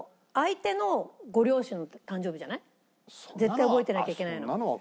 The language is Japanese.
けど絶対覚えてなきゃいけないのは。